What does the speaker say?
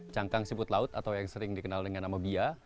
cangkang siput laut atau yang sering dikenal dengan nama bia